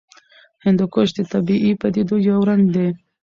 هندوکش د طبیعي پدیدو یو رنګ دی.